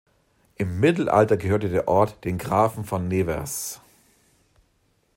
Im Mittelalter gehörte der Ort den Grafen von Nevers.